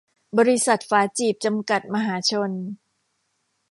บริษัท ฝาจีบ จำกัด มหาชน